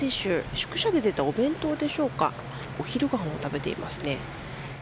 宿舎で出たお弁当でしょうかお昼ご飯を食べていますね。